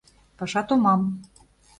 Паша томам.